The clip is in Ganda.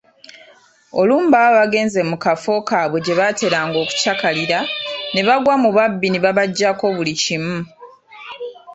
Olumu baba bagenze mu kafo kaabwe gye baateranga okukyakalira ne bagwa mu babbi abaabaggyako buli kimu.